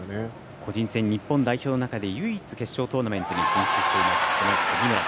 個人戦、日本代表の中で唯一決勝トーナメントに進出しています杉村。